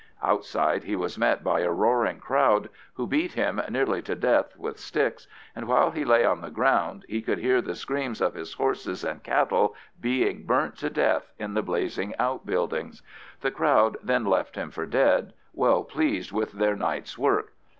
Outside he was met by a roaring crowd, who beat him nearly to death with sticks, and while he lay on the ground he could hear the screams of his horses and cattle being burnt to death in the blazing outbuildings. The crowd then left him for dead, well pleased with their night's work.